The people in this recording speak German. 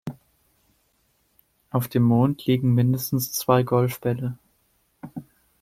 Auf dem Mond liegen mindestens zwei Golfbälle.